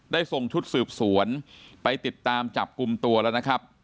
ส่งชุดสืบสวนไปติดตามจับกลุ่มตัวแล้วนะครับ